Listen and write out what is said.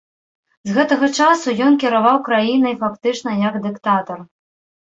З гэтага часу ён кіраваў краінай фактычна як дыктатар.